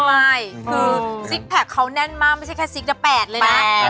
คือซิกแพ็กเขานั่นมากไม่ใช่แค่ซิกแต่แปดเลยนะ